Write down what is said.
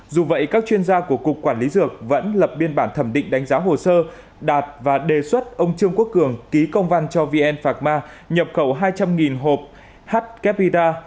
dù vậy các chuyên gia của cục quản lý dược vẫn lập biên bản thẩm định đánh giá hồ sơ đạt và đề xuất ông trương quốc cường ký công văn cho vn phạc ma nhập khẩu hai trăm linh hộp h capita